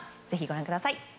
ぜひご覧ください。